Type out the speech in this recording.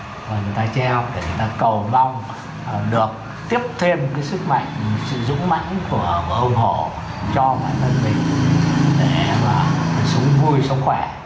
và người ta treo để người ta cầu mong được tiếp thêm cái sức mạnh sự dũng mãnh của hồng họ cho bản thân mình để mà sống vui sống khỏe